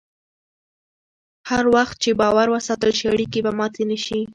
هر وخت چې باور وساتل شي، اړیکې به ماتې نه شي.